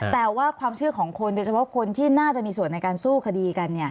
แต่ว่าความเชื่อของคนโดยเฉพาะคนที่น่าจะมีส่วนในการสู้คดีกัน